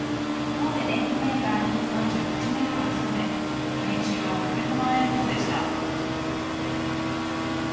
大手電機メーカーに３８年間勤め、年収は８００万円ほどでした。